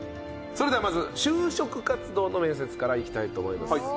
それではまず就職活動の面接からいきたいと思います。